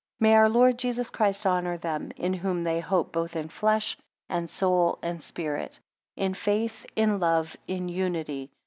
7 May our Lord Jesus Christ honour them; in whom they hope, both in flesh, and soul, and spirit; in faith, in love, in unity.